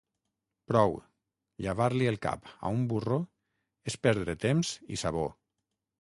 Prou; llavar-li el cap a un burro és perdre temps i sabó.